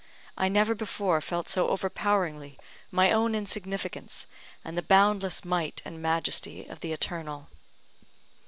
I never before felt so overpoweringly my own insignificance, and the boundless might and majesty of the Eternal.